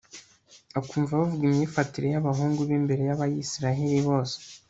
akumva bavuga imyifatire y'abahungu be imbere y'abayisraheli bose